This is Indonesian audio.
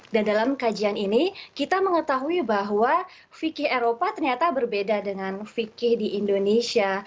dan dalam kajian ini kita mengetahui bahwa fikih eropa ternyata berbeda dengan fikih di indonesia